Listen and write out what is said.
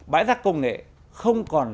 bãi giác công nghệ không còn